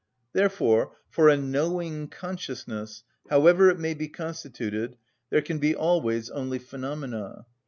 Therefore for a knowing consciousness, however it may be constituted, there can be always only phenomena.